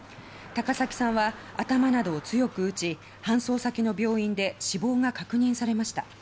高崎さんは頭などを強くうち搬送先の病院で死亡が確認されました。